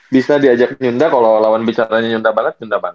bisa diajak nyunda kalo lawan bicaranya nyunda banget nyunda banget